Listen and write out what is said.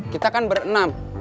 kita kan berenam